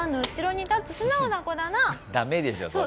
ダメでしょそれ。